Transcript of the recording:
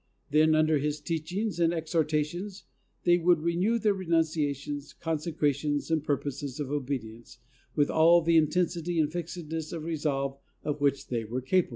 Then, under his teachings and exhortations, they would renew their renunciations, consecrations and purposes of obedience, with all the intensity and fixedness of resolve of which they were capable.